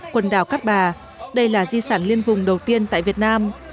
quần đảo cát bà đây là di sản liên vùng đầu tiên tại việt nam